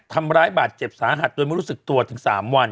ทำร้ายบาดเจ็บสาหัสโดยไม่รู้สึกตัวถึง๓วัน